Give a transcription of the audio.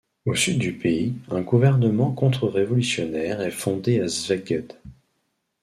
Au sud du pays, un gouvernement contre-révolutionnaire est fondé à Szeged.